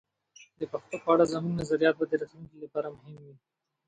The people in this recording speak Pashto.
د پښتو په اړه زموږ نظریات به د راتلونکي لپاره مهم وي.